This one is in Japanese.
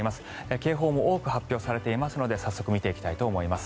警報も多く発表されていますので早速見ていきたいと思います。